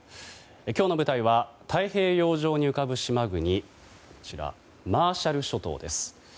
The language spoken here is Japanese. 今日の舞台は太平洋上に浮かぶ島国マーシャル諸島です。